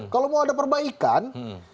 kalau mau ada perbaikan